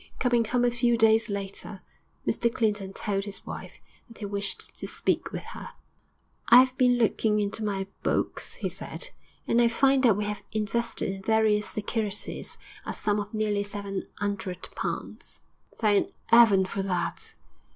Coming home a few days later, Mr Clinton told his wife that he wished to speak with her. 'I 'ave been looking into my books,' he said, 'and I find that we have invested in various securities a sum of nearly seven 'undred pounds.' 'Thank 'Eaven for that!'